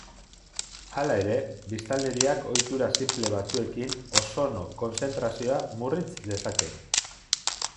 Hala ere, biztanleriak ohitura sinple batzuekin ozono kontzentrazioa murritz dezake.